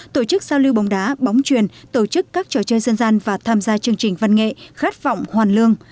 tổ chức giao lưu bóng đá bóng truyền tổ chức các trò chơi dân gian và tham gia chương trình văn nghệ khát vọng hoàn lương